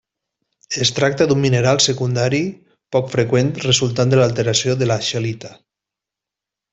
Es tracta d'un mineral secundari poc freqüent resultant de l'alteració de la scheelita.